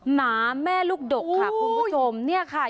หนาแม่ลูกดกค่ะคุณผู้ชมเนี่ยค่ะ